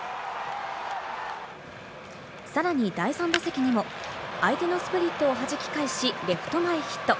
さらに第３打席にも相手のスプリットをはじき返し、レフト前ヒット。